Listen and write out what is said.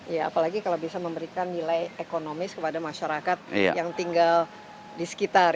ya apalagi kalau bisa memberikan nilai ekonomis kepada masyarakat yang tinggal di sekitar